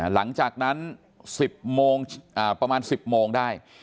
หลังจากนั้นประมาณ๑๐โมงได้